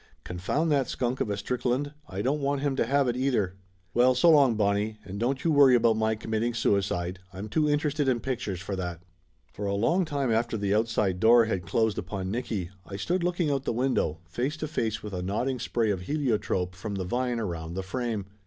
Confound that skunk of a Strickland, I don't want him to have it, either. Well, so long, Bonnie, and don't you worry about my committing suicide I'm too interested in pictures for that !" For a long time after the outside door had closed upon Nicky I stood looking out the window, face to face with a nodding spray of heliotrope from the vine around the frame.